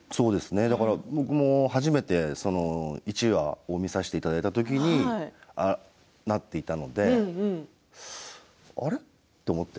僕も初めて１話を見させていただいた時にああなっていたのであれ？って思って。